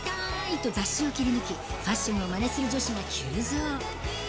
と雑誌を切り抜き、ファッションをまねする女子が急増。